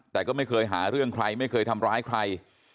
แต่ก็ไม่เคยหาเรื่องใครไม่เคยทำร้ายใคร